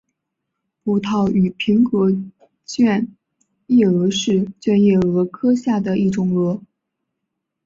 葡萄与苹果卷叶蛾是卷叶蛾科下的一种蛾。